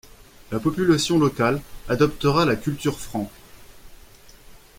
La population locale adoptera la culture franque.